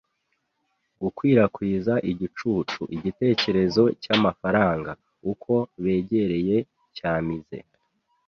gukwirakwiza igicucu. Igitekerezo cyamafaranga, uko begereye, cyamize